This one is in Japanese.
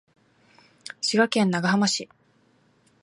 滋賀県長浜市